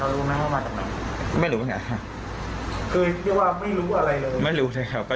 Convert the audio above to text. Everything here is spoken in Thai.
เอาลงไปทำพ่อจากหลังพี่เขากอนแค่เหี้ยหรอพี่เราขับ